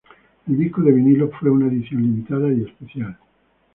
El disco de vinilo fue una edición limitada y especial.